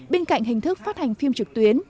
bên cạnh hình thức phát hành phim trực tuyến